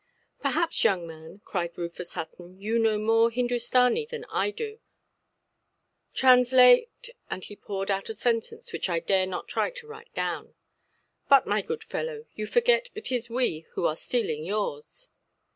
"Perhaps, young man", cried Rufus Hutton, "you know more Hindustani than I do. Translate——", and he poured out a sentence which I dare not try to write down. "But, my good fellow, you forget it is we who are stealing yours".